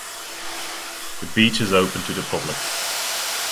The beach is open to the public.